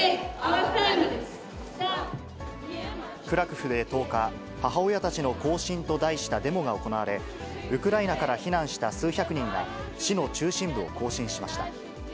クラクフで１０日、母親たちの行進と題したデモが行われ、ウクライナから避難した数百人が、市の中心部を行進しました。